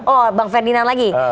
oh bang ferdinand lagi